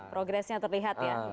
progresnya terlihat ya